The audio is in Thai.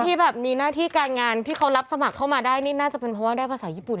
ที่แบบมีหน้าที่การงานที่เขารับสมัครเข้ามาได้นี่น่าจะเป็นเพราะว่าได้ภาษาญี่ปุ่น